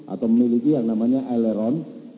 atau memiliki yang namanya aileron